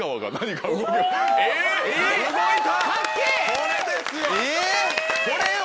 これですよ！